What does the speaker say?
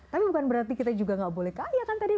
tapi bukan berarti kita juga gak boleh kaya kan tadi